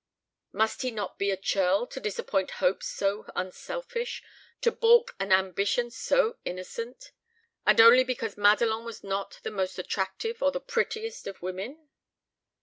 Must he not be a churl to disappoint hopes so unselfish, to balk an ambition so innocent? And only because Madelon was not the most attractive or the prettiest of women!